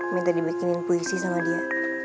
minta dibikinin puisi sama dia